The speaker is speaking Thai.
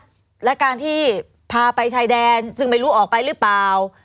เตียงวันที่คุณเอาไปชัยแดนจึงไม่รู้ออกไปหรือเปล่า